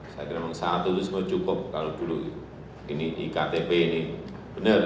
saya kira memang satu itu semua cukup kalau dulu ini iktp ini benar